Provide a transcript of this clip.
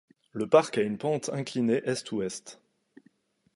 Le parc a une pente inclinée Est-Ouest.